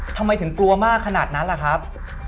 ทำไมถึงกลัวมากขนาดนั้นล่ะครับ